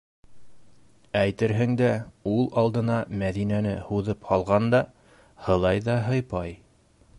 - Әйтерһең дә ул алдына Мәҙинәне һуҙып һалған да, һылай ҙа һыйпай...